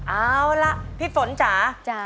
เอาล่ะพี่ฝนจ๋า